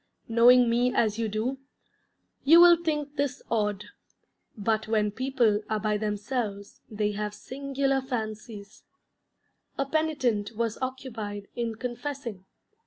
Knowing me as you do, you will think this odd, but when people are by themselves they have singular fancies. A penitent was occupied in confessing.